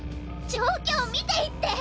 状況見て言って！